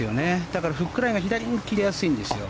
だからフックラインが左に切れやすいんですよ。